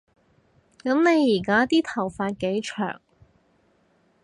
噉你而家啲頭髮幾長